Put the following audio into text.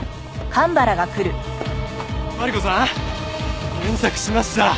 マリコさん現着しました！